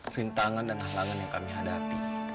rintangan dan halangan yang kami hadapi